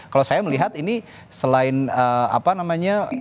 kalau saya melihat ini selain apa namanya